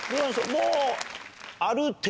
もう。